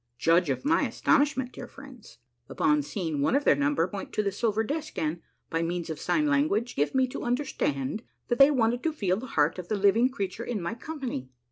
Judge of my astonishment, dear friends, upon seeing one of their number point to the silver disk and, by means of sign lan guage, give me to understand that they wanted to feel the heart of the living creature in my company.